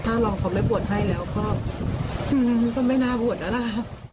ถ้าเราเขาไม่บวชให้แล้วก็ไม่น่าบวชแล้วนะคะ